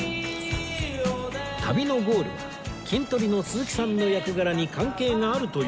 旅のゴールは『キントリ』の鈴木さんの役柄に関係があるという場所